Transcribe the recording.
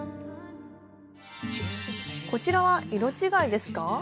こちらは色違いですか？